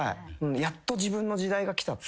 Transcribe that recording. やっと自分の時代が来たと。